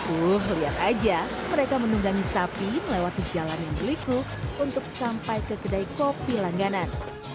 uh lihat aja mereka menunggangi sapi melewati jalan yang beliku untuk sampai ke kedai kopi langganan